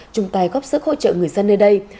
chung tay góp sức hỗ trợ người dân nơi đây